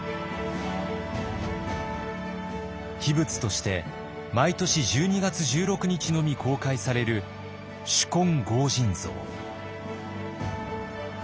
秘仏として毎年１２月１６日のみ公開される執金剛神像。